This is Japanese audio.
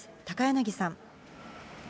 高柳さん。